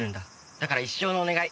だから一生のお願い。